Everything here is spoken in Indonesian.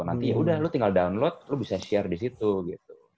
nanti yaudah lu tinggal download lu bisa share di situ gitu